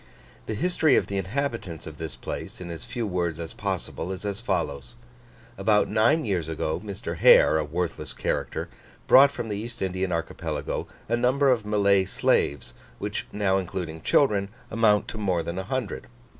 The history of the inhabitants of this place, in as few words as possible, is as follows. About nine years ago, Mr. Hare, a worthless character, brought from the East Indian archipelago a number of Malay slaves, which now including children, amount to more than a hundred.